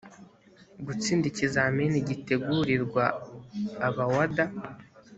gutsinda ikizamini gitegurirwa abawada